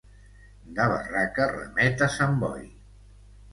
De barraca remet a Sant Boi.